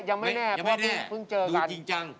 ยังไม่แน่ดูจริงจัง